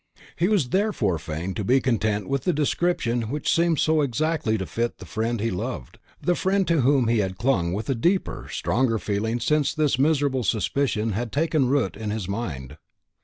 He was therefore fain to be content with the description which seemed so exactly to fit the friend he loved, the friend to whom he had clung with a deeper, stronger feeling since this miserable suspicion had taken root in his mind.